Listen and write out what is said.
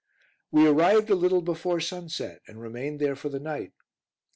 We arrived a little before sun set, and remained there for the night.